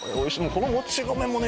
このもち米もね